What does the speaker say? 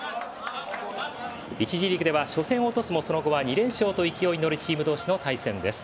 １次リーグでは初戦を落とすもその後は２連勝と勢いに乗るチーム同士の対戦です。